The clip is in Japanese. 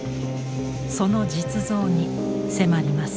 その実像に迫ります。